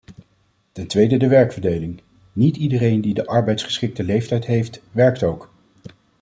Ten tweede de werkverdeling: niet iedereen die de arbeidsgeschikte leeftijd heeft, werkt ook.